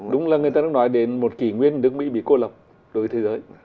đúng là người ta đang nói đến một kỷ nguyên nước mỹ bị cô lập đối với thế giới